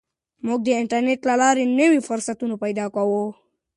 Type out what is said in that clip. موږ د انټرنیټ له لارې نوي فرصتونه پیدا کوو.